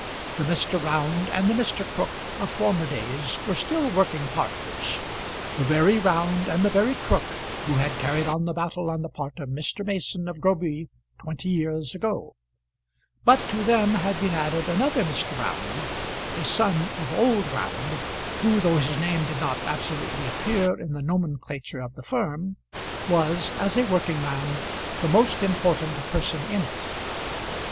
The Mr. Round and the Mr. Crook of former days were still working partners; the very Round and the very Crook who had carried on the battle on the part of Mr. Mason of Groby twenty years ago; but to them had been added another Mr. Round, a son of old Round, who, though his name did not absolutely appear in the nomenclature of the firm, was, as a working man, the most important person in it.